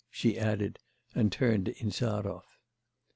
she added, and turned to Insarov.